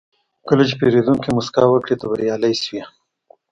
کله چې پیرودونکی موسکا وکړي، ته بریالی شوې.